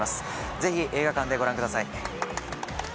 ぜひ映画館でご覧ください